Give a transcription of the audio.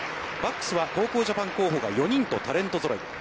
バックスは、高校ジャパン候補が４人とタレントぞろい。